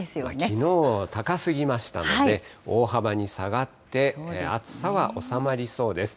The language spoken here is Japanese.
きのうが高すぎましたので、大幅に下がって、暑さは収まりそうです。